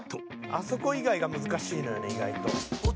「あそこ以外が難しいのよね意外と」